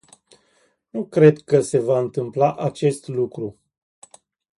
Nu cred că se va întâmpla acest lucru.